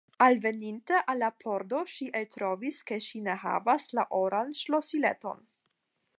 alveninte al la pordo, ŝi eltrovis ke ŝi ne havas la oran ŝlosileton.